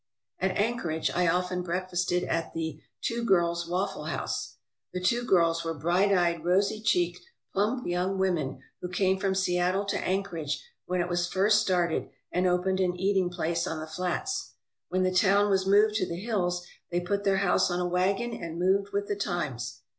At Anchorage I often breakfasted at the "Two Girls' Waffle House." The "Two Girls" were bright eyed, rosy cheeked, plump young women who came from Seattle to Anchorage when it was first started and opened an eat ing place on the flats. When the town was moved to the hills they put their house on a wagon and moved with the times.